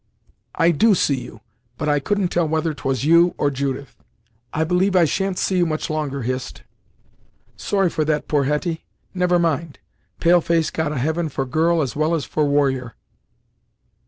"I do see you; but I couldn't tell whether 'twas you, or Judith. I believe I shan't see you much longer, Hist." "Sorry for that, poor Hetty. Never mind pale face got a heaven for girl as well as for warrior."